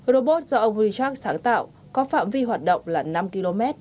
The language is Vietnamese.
robot do ông reak sáng tạo có phạm vi hoạt động là năm km